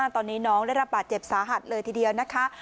ตอนนี้น้องได้รับบาดเจ็บสาหัสเลยทีเดียวนะคะ